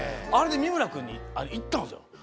あれで三村君に行ったんすよ。